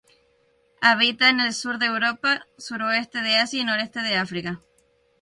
Habita en el sur de Europa, suroeste de Asia y noroeste de África.